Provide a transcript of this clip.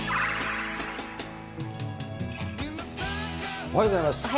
おはようございます。